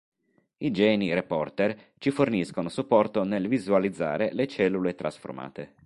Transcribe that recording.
I Geni "reporter" ci forniscono supporto nel visualizzare le cellule trasformate.